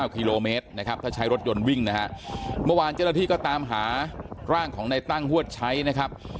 กิโลเมตรนะครับถ้าใช้รถยนต์วิ่งนะฮะเมื่อวานเจ้าหน้าที่ก็ตามหาร่างของในตั้งฮวดใช้นะครับ